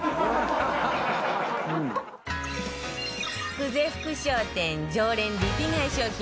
久世福商店常連リピ買い商品